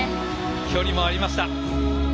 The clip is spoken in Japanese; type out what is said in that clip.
距離もありました。